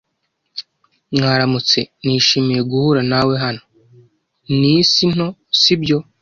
Mwaramutse! Nishimiye guhura nawe hano! Ni isi nto, si byo?